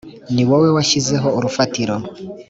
ni wowe washyizeho urufatiro